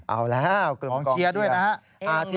เอาแล้วกลุ่มกองเชียร์ด้วยนะฮะ